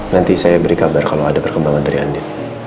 nanti saya beri kabar kalau ada perkembangan dari anda